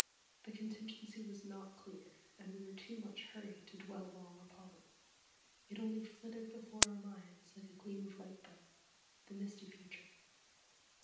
The contingency was not clear, and we were too much hurried to dwell long upon it. It only flitted before our minds like a gleam of light through, the misty future.